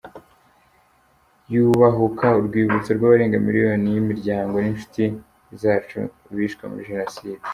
Yubahuka urwibutso rw’abarenga miliyoni y’imiryango n’inshuti zacu bishwe muri Jenoside.